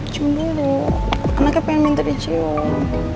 cuma dulu anaknya pengen minta di cium